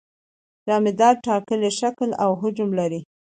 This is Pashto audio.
جامدات ټاکلی شکل او حجم لري.